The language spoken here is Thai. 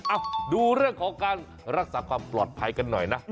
ดูเรื่องของการรักษาความปลอดภัยกันหน่อยนะ